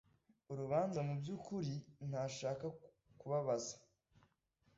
urubanza mu by ukuri ntashaka kubabaza